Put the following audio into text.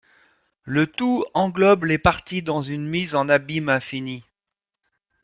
Le tout englobe les parties dans une mise en abyme infinie.